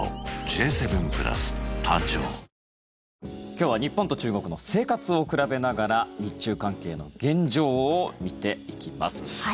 今日は日本と中国の生活を比べながら日中関係の現状を見ていきます。